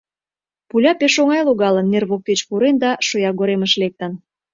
Пуля пеш оҥай логалын, нер воктеч пурен да шоягоремыш лектын.